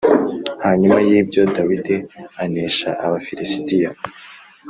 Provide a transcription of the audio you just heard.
Hanyuma yibyo dawidi anesha abafirisitiya